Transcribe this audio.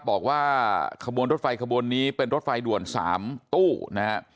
บอกว่าขบวนรถไฟขบวนนี้เป็นรถไฟด่วน๓ตู้นะฮะ